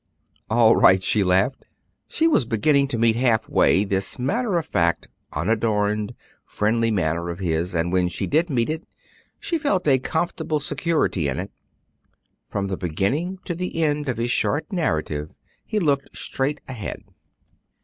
"All right," she laughed. She was beginning to meet halfway this matter of fact, unadorned, friendly manner of his; and when she did meet it, she felt a comfortable security in it. From the beginning to the end of his short narrative he looked straight ahead.